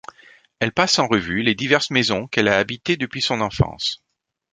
Elle passe en revue les diverses maisons qu'elle a habitées depuis son enfance.